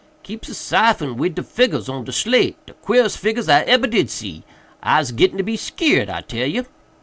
"Keeps a syphon wid de figgurs on de slate—de queerest figgurs I ebber did see. Ise gittin' to be skeered, I tell you.